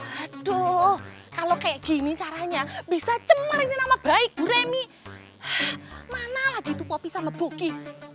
aduh kalau kayak gini caranya bisa cemar ini nama baik bu remi mana lagi itu kopi sama buki